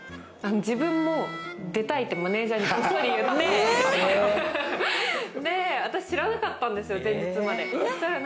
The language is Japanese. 自分も出たいってマネジャーにこっそり言って、私知らなかったんですよ、前日まで。